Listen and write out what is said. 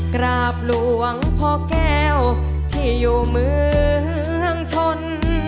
กราบหลวงพ่อแก้วที่อยู่เมืองชน